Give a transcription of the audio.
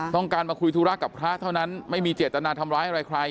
ต้องการมาคุยธุระกับพระเท่านั้นไม่มีเจตนาทำร้ายอะไรใคร